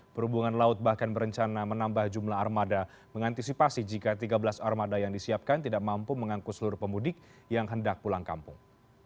perhubungan laut bahkan berencana menambah jumlah armada mengantisipasi jika tiga belas armada yang disiapkan tidak mampu mengangkut seluruh pemudik yang hendak pulang kampung